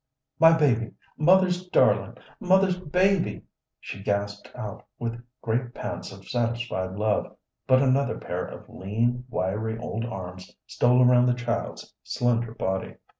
"My baby, mother's darling, mother's baby!" she gasped out with great pants of satisfied love; but another pair of lean, wiry old arms stole around the child's slender body.